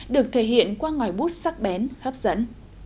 được thể hiện qua ngòi bút sắc bén hấp dẫn